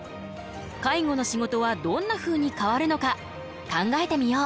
介護の仕事はどんなふうに変わるのか考えてみよう。